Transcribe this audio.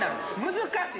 難しい。